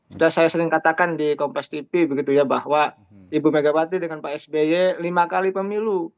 sudah saya sering katakan di kompas tv begitu ya bahwa ibu megawati dengan pak sby lima kali pemilu